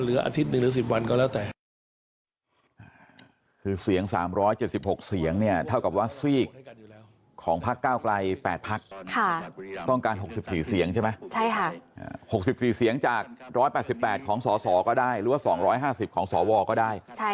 หรือว่า๒๕๐ของสวก็ได้